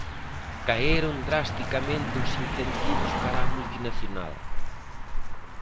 Caeron drasticamente os incentivos para a multinacional.